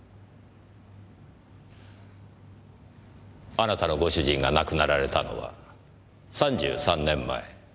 あなたのご主人が亡くなられたのは３３年前。